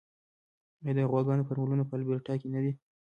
آیا د غواګانو فارمونه په البرټا کې نه دي؟